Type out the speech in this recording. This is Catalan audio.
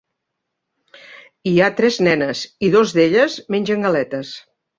Hi ha tres nenes i dos d'elles mengen galetes.